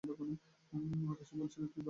অতসী বলছিল তুই ভালো লিখতে পারিস নাকি!